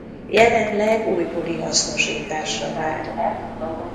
Jelenleg újbóli hasznosításra vár.